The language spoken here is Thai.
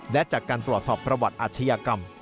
และจากการตรวจสอบประวัติอาชญากรรม